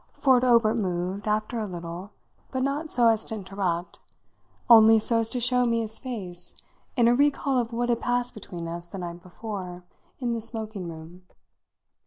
Ford Obert moved, after a little, but not so as to interrupt only so as to show me his face in a recall of what had passed between us the night before in the smoking room.